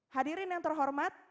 hadirin yang terhormat